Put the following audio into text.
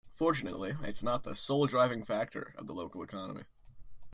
Fortunately its not the sole driving factor of the local economy.